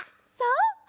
そう！